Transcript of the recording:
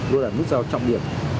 luôn là nút giao trọng điểm